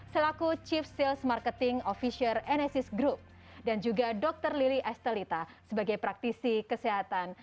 selaku chief sales marketing officer enesis group dan juga dr lili estelita sebagai praktisi kesehatan